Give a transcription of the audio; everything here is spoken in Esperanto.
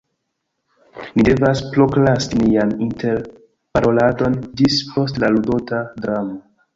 Ni devas prokrasti nian interparoladon ĝis post la ludota dramo.